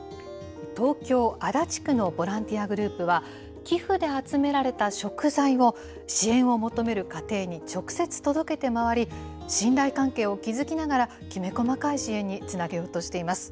東京・足立区のボランティアグループは、寄付で集められた食材を、支援を求める家庭に直接届けて回り、信頼関係を築きながら、きめ細かい支援につなげようとしています。